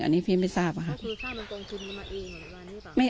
อันนี้พี่ไม่ทราบค่ะ